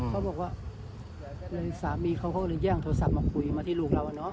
เขาบอกว่าสามีเขาก็เลยแย่งโทรศัพท์มาคุยมาที่ลูกเรา